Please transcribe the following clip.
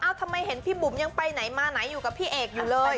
ทำไมเห็นพี่บุ๋มยังไปไหนมาไหนอยู่กับพี่เอกอยู่เลย